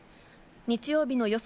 日曜日の予想